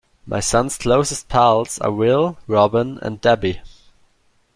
My son's closest pals are Will, Robin and Debbie.